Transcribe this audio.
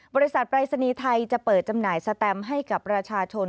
ปรายศนีย์ไทยจะเปิดจำหน่ายสแตมให้กับประชาชน